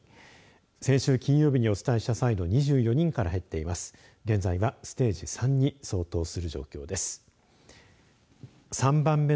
先週金曜日にお伝えした際の２４人から減っています。